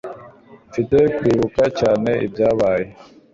Mfite kwibuka cyane ibyabaye.